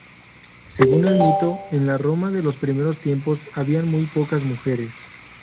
Según el mito, en la Roma de los primeros tiempos había muy pocas mujeres.